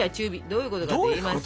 どういうこと？